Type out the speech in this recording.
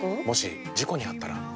もし事故にあったら？